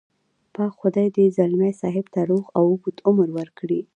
پاک خدای دې ځلمي صاحب ته روغ او اوږد عمر ورکړي.